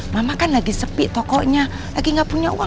mama kan lagi sepi tokonya lagi gak punya uang